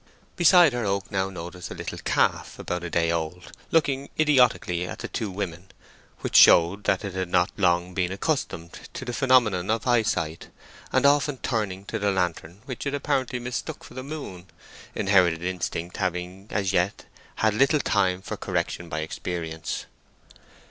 Beside her Oak now noticed a little calf about a day old, looking idiotically at the two women, which showed that it had not long been accustomed to the phenomenon of eyesight, and often turning to the lantern, which it apparently mistook for the moon, inherited instinct having as yet had little time for correction by experience.